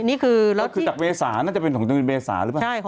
นี่คือน่าจะเป็นของเมษาหรือเปล่า